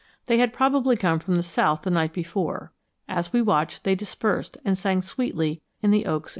They had probably come from the south the night before. As we watched, they dispersed and sang sweetly in the oaks and brush.